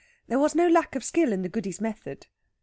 There was no lack of skill in the Goody's method.